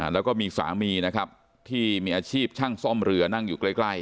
แล้วก็มีสามีนะครับที่มีอาชีพช่างซ่อมเรือนั่งอยู่ใกล้